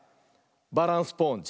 「バランスポーンジ」。